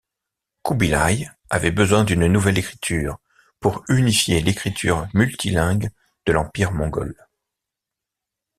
Kubilaï avait besoin d'une nouvelle écriture pour unifier l'écriture multilingue de l’Empire mongol.